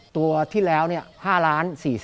ตัวที่แล้ว๕๔๐๐๐๐๐บาท